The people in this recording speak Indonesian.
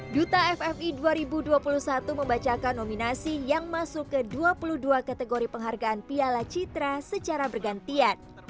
duta ffi dua ribu dua puluh satu membacakan nominasi yang masuk ke dua puluh dua kategori penghargaan piala citra secara bergantian